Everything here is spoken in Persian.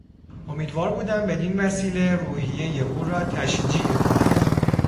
امیدوار بودم بدین وسیله روحیهی او را تشجیع کنم.